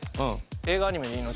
映画・アニメでいいの？